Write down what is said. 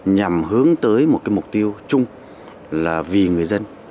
nhằm hướng tới một mục tiêu chung là vì người dân